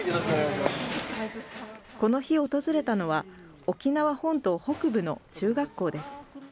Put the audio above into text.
この日訪れたのは、沖縄本島北部の中学校です。